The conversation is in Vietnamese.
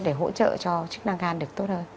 để hỗ trợ cho chức năng gan được tốt hơn